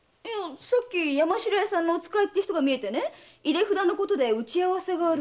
さっき山城屋さんのお使いって人が見えて「入札のことで打ち合わせがある」